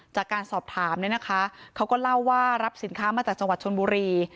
จากการสอบถามเนี่ยนะคะเขาก็เล่าว่ารับสินค้ามาจากจังหวัดชนบุรี